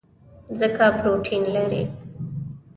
ځکه پروټین لري.